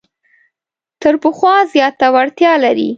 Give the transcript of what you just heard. تر پخوا زیاته وړتیا لري.